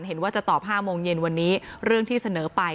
เห็นว่าจะตอบ๕โมงเย็นวันนี้เรื่องที่เสนอไป